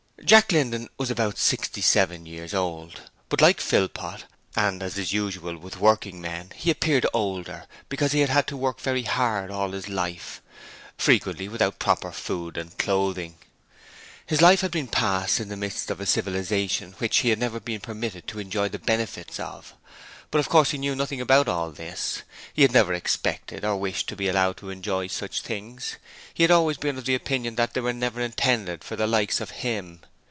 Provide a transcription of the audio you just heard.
Jack Linden was about sixty seven years old, but like Philpot, and as is usual with working men, he appeared older, because he had had to work very hard all his life, frequently without proper food and clothing. His life had been passed in the midst of a civilization which he had never been permitted to enjoy the benefits of. But of course he knew nothing about all this. He had never expected or wished to be allowed to enjoy such things; he had always been of opinion that they were never intended for the likes of him.